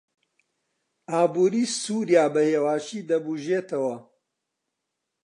ئابووری سووریا بەهێواشی دەبوژێتەوە.